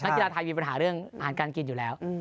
กีฬาไทยมีปัญหาเรื่องอาหารการกินอยู่แล้ว